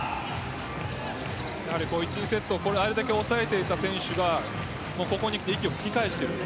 １、２セットをあれだけ抑えていた選手がここにきて息を吹き返している。